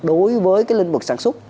đối với lĩnh vực sản xuất